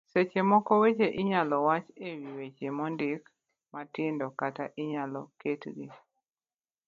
seche moko weche inyalo wach e wi weche mondik matindo kata inyalo ketgi